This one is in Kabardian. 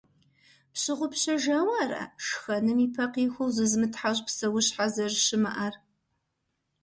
Пщыгъупщэжауэ ара шхэным ипэ къихуэу зызымытхьэщӀ псэущхьэ зэрыщымыӀэр?